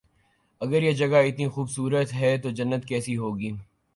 اگر یہ جگہ اتنی خوب صورت ہے تو جنت کیسی ہو گی